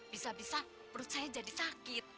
bisa bisa perut saya jadi sakit